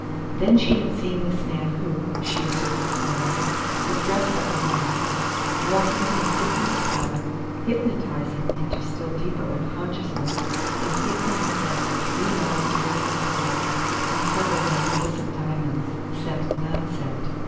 Then she had seen this man who, she asserted firmly, was dressed like a woman, walk into his victim's cabin, hypnotize him into still deeper unconsciousness, and take from his belt three long strings of pearls and several magnificent diamonds, set and unset.